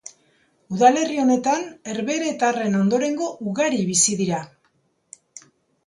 Udalerri honetan herbeheretarren ondorengo ugari bizi dira.